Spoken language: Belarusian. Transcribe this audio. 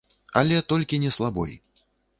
Але толькі не слабой.